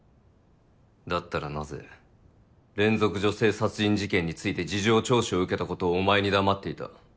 だったらなぜ連続女性殺人事件について事情聴取を受けたことをお前に黙っていた？